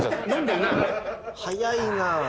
早いな。